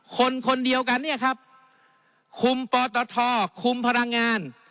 คนคนเดียวกันเนี่ยครับคุมปตทคุมพลังงาน